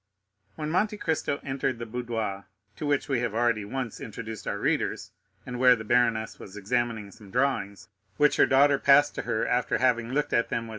40048m When Monte Cristo entered the boudoir, to which we have already once introduced our readers, and where the baroness was examining some drawings, which her daughter passed to her after having looked at them with M.